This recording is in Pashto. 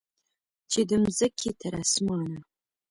چې د مځکې تر اسمانه